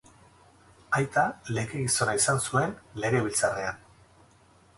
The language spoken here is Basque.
Aita legegizona izan zuen legebiltzarrean.